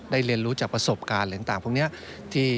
เรียนรู้จากประสบการณ์อะไรต่างพวกนี้